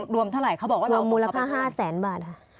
รวมเท่าไหร่เขาบอกว่าเรามูลค่า๕แสนบาทค่ะ